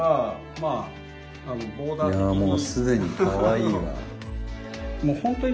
いやもう既にかわいいわ。